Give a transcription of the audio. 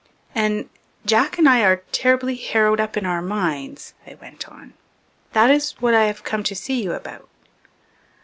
"And Jack and I are terribly harrowed up in our minds," I went on. "That is what I've come up to see you about."